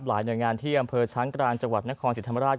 หน่วยงานที่อำเภอช้างกลางจังหวัดนครศรีธรรมราช